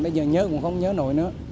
bây giờ nhớ cũng không nhớ nổi nữa